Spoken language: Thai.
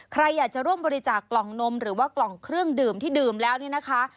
ใครอยากจะร่วมบริจาคกล่องนมหรือว่ากล่องเครื่องดื่มที่ดื่มแล้วเนี่ยนะคะ